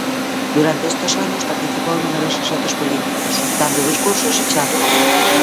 Durante estos años participó en numerosos actos políticos, dando discursos y charlas.